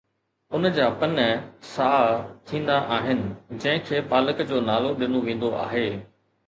ان جا پن سائا ٿيندا آهن، جنهن کي پالڪ جو نالو ڏنو ويندو آهي.